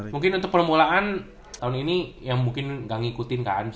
mungkin untuk perempuan tahun ini yang mungkin gak ngikutin kan